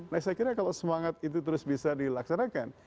nah saya kira kalau semangat itu terus bisa dilaksanakan